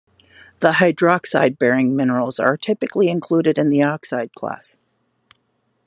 The hydroxide bearing minerals are typically included in the oxide class.